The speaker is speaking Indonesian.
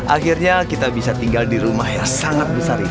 akhirnya kita bisa tinggal di rumah yang sangat besar ini